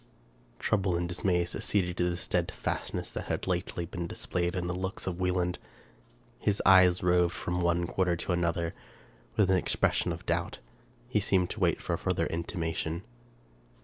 Trouble and dismay succeeded to the steadfastness that had lately been displayed in the looks of Wieland. His eyes roved from one quarter to another, with an expression of doubt. He seemed to wait for a further intimation.